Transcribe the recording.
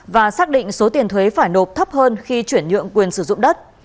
và xác định số tiền thuế phải nộp thấp hơn khi chuyển nhượng quyền sử dụng đất